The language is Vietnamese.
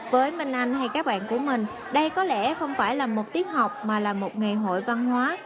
với minh anh hay các bạn của mình đây có lẽ không phải là một tiết học mà là một ngày hội văn hóa